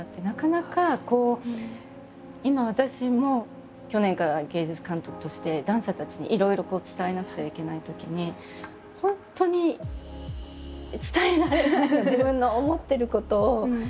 なかなかこう今私も去年から芸術監督としてダンサーたちにいろいろ伝えなくてはいけないときに本当に伝えられないの自分の思ってることを。